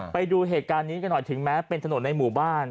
ไปดูเหตุการณ์นี้กันหน่อยถึงแม้เป็นถนนในหมู่บ้าน